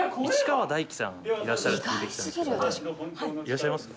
いらっしゃいます？